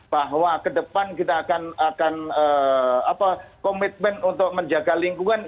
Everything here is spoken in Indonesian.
bahwa ke depan kita akan komitmen untuk menjaga lingkungan